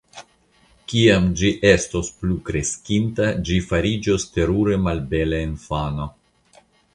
Kiam ĝi estos plukreskinta ĝi fariĝos terure malbela infano.